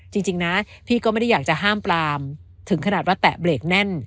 จริงนะพี่ก็ไม่ได้อยากจะห้ามปลามถึงขนาดว่าแตะเบรกแน่น